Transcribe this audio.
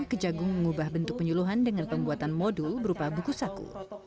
kejagung mengubah bentuk penyuluhan dengan pembuatan modul berupa buku saku